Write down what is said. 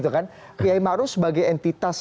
kiai maruf sebagai entitas